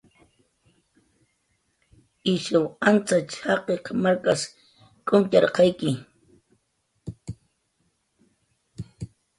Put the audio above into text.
Ishaw antzatx jaqiq markas k'umtxarqayki